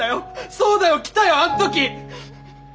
そうだよ来たよあん時！